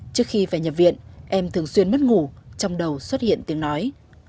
trước khi phải nhập viện em thường xuyên mất ngủ trong đầu xuất hiện tiếng nói